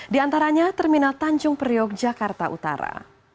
di antaranya terminal tanjung priok jakarta utara